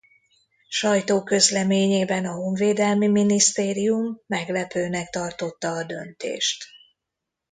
Sajtóközleményében a Honvédelmi Minisztérium meglepőnek tartotta a döntést.